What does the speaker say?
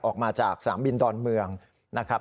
ออกมาจากสนามบินดอนเมืองนะครับ